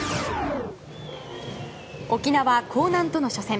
沖縄・興南との初戦。